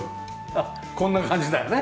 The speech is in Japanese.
あっこんな感じだよね。